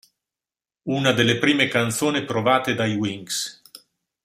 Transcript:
Una delle prime canzoni provate dai Wings.